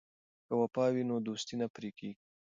که وفا وي نو دوستي نه پرې کیږي.